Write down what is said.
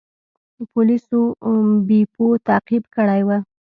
پولیسو بیپو تعقیب کړی و.